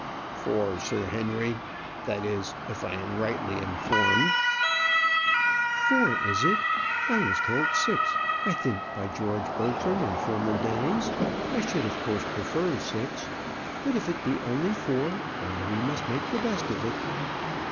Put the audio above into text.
"Four, Sir Henry. That is, if I am rightly informed." "Four, is it? I was told six I think by George Bertram in former days. I should of course prefer six; but if it be only four, why we must make the best of it."